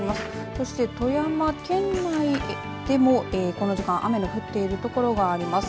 そして、富山県内でもこの時間雨の降っているところがあります。